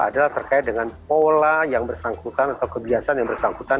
adalah terkait dengan pola yang bersangkutan atau kebiasaan yang bersangkutan